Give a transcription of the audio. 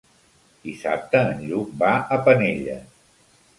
Dissabte en Lluc va a Penelles.